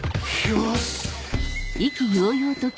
よし。